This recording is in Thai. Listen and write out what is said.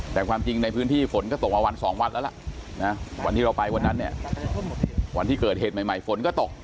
แต่ความจริงในพื้นที่ฝนก็ตกมาวันสองวันแล้วล่ะวันที่เราไปวันนั้นเนี่ยวันที่เกิดเหตุใหม่ฝนก็ตก